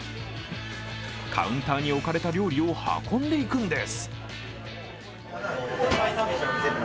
カウンターに置かれた料理を運んでいくんです。